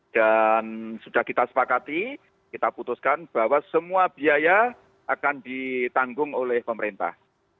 dan sudah kita sepakati kita putuskan bahwa semua biaya akan ditanggung oleh pemerintah